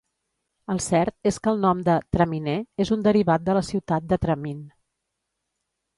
El cert és que el nom de "Traminer" és un derivat de la ciutat de Tramin.